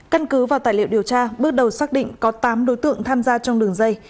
căn cứ vào tài liệu điều tra bước đầu xác định có tám đối tượng tham gia trong đường dây